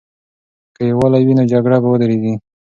که یووالی وي، نو جګړه به ودریږي.